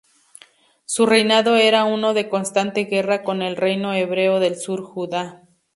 Su reinado era uno de constante guerra con el reino hebreo del Sur, Judá.